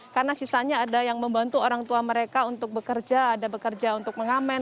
karena sisanya ada yang membantu orang tua mereka untuk bekerja ada bekerja untuk mengamen